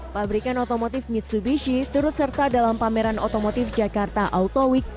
pabrikan otomotif mitsubishi turut serta dalam pameran otomotif jakarta auto week